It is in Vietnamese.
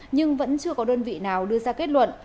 nhưng vẫn chưa có đơn vị nào đưa ra kết luận